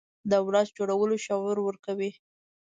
دولت جوړولو شعور ورکوي.